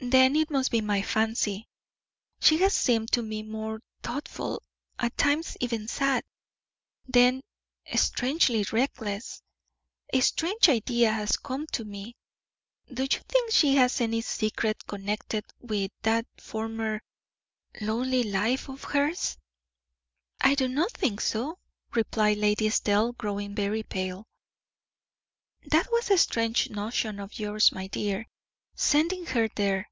"Then it must be my fancy. She has seemed to me more thoughtful, at times even sad, then strangely reckless. A strange idea has come to me do you think she has any secret connected with that former lonely life of hers?" "I do not think so," replied Lady Estelle, growing very pale. "That was a strange notion of yours, my dear, sending her there.